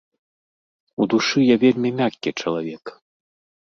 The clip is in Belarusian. У душы я вельмі мяккі чалавек.